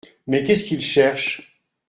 Mais qu’est-ce qu’il cherche ?